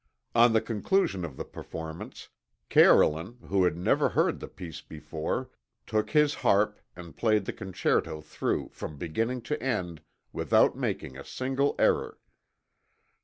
On the conclusion of the performance, Carolan, who had never heard the piece before, took his harp and played the concerto through from beginning to end without making a single error.